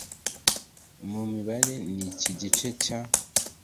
Mu mibare Niki Igice cya